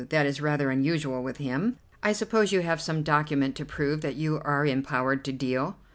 That is rather unusual with him. I suppose you have some document to prove that you are empowered to deal?"